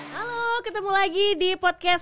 halo ketemu lagi di podcast